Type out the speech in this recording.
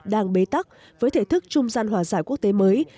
đang bế tắc với thể thức trung gian hòa giải quốc tế mới